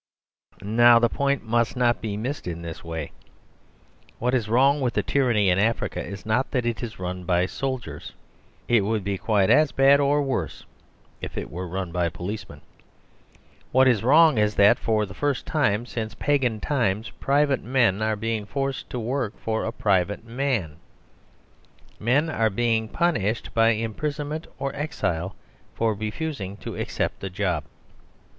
Now the point must not be missed in this way. What is wrong with the tyranny in Africa is not that it is run by soldiers. It would be quite as bad, or worse, if it were run by policemen. What is wrong is that, for the first time since Pagan times, private men are being forced to work for a private man. Men are being punished by imprisonment or exile for refusing to accept a job.